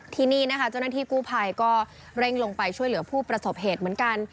ที่นี่นะคะเจ้าหน้าที่กู้ภัยก็เร่งลงไปช่วยเหลือผู้ประสบเหตุเหมือนกัน